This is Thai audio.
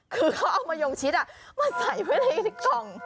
คือเขาเอามายงชิดมาใส่ไงก่อน